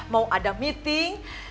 mau ada meeting